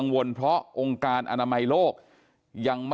ก็คือเป็นการสร้างภูมิต้านทานหมู่ทั่วโลกด้วยค่ะ